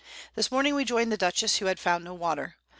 This Morning we join'd the Dutchess, who had found no Water.